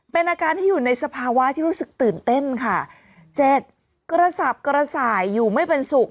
เป็นอาการที่อยู่ในสภาวะที่รู้สึกตื่นเต้นค่ะเจ็ดกระสับกระส่ายอยู่ไม่เป็นสุข